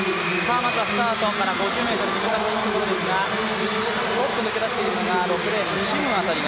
まずはスタートから５０ｍに向かっていくところですがちょっと抜け出しているのが６レーンのシム。